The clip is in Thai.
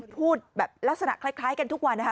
พูดแบบลักษณะคล้ายกันทุกวันนะคะ